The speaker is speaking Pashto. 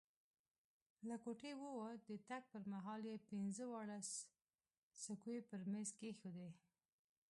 له کوټې ووت، د تګ پر مهال یې پینځه واړه سکوې پر میز کښېښودې.